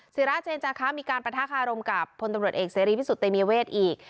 ศิราเจนจาคะมีการประทะคารมกับพลตำรวจเอกเสรีพิสุทธิเตมียเวทอีก